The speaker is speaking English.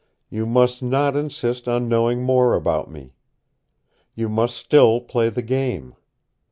You must not insist on knowing more about me. You must still play the game.